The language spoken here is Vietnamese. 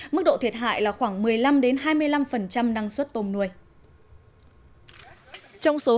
mức độ thiệt hại là khoảng một mươi năm hai mươi năm năng suất tôm nuôi